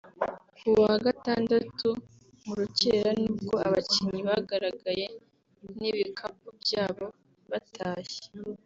Ku wa Gatandatu mu rukerera ni bwo abakinnyi bagaragaye n’ibikapu byabo batashye